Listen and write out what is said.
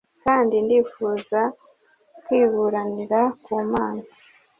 Kandi ndifuza kwiburanira ku Mana.